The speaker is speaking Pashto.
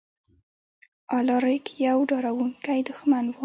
الاریک یو ډاروونکی دښمن و.